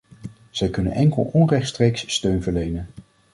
Zij kunnen enkel onrechtstreeks steun verlenen.